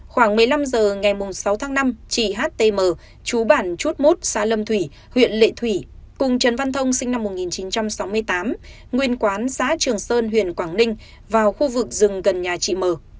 khoảng một mươi năm h ngày sáu tháng năm chị htm chú bản chút mốt xã lâm thủy huyện lệ thủy cùng trần văn thông sinh năm một nghìn chín trăm sáu mươi tám nguyên quán xã trường sơn huyện quảng ninh vào khu vực rừng gần nhà chị m